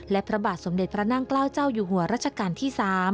และพระบาทสมเด็จพระนั่งเกล้าเจ้าอยู่หัวรัชกาลที่๓